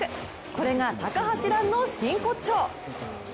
これが高橋藍の真骨頂！